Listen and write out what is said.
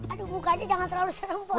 aduh mukanya jangan terlalu seram po